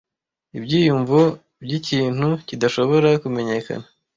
Ibyiyumvo byikintu kidashobora kumenyekana